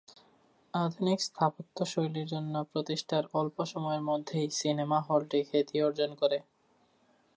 আধুনিক স্থাপত্যশৈলীর জন্য প্রতিষ্ঠার অল্প সময়ের মধ্যেই সিনেমা হলটি খ্যাতি অর্জন করে।